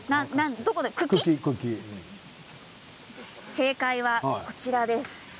正解はこちらです。